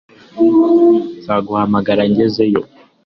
Nzaguhamagara ngezeyo